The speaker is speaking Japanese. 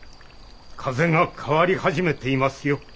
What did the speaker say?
風が変わり始めていますよ。